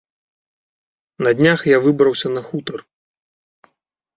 На днях я выбраўся на хутар.